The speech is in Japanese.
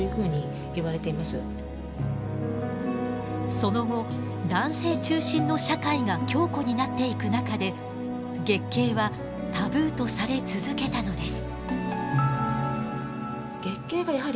その後男性中心の社会が強固になっていく中で月経はタブーとされ続けたのです。